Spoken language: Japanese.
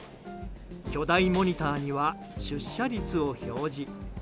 巨大モニターには出社率を表示。